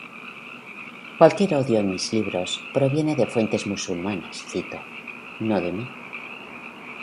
Cualquier odio en mis libros proviene de fuentes musulmanas cito, no de mí.